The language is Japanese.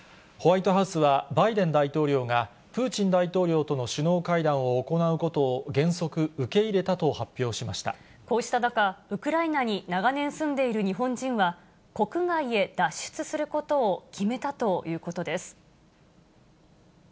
ホワイトハウスは、バイデン大統領が、プーチン大統領との首脳会談を行うことを原則受け入れたと発表しこうした中、ウクライナに長年住んでいる日本人は、国外へ脱出することを決めたということです。